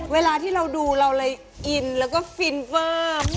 เวลาที่เราดูเราเลยอินแล้วก็ฟินเฟอร์